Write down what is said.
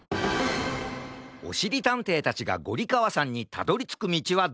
おしりたんていたちがゴリかわさんにたどりつくみちはどれかな？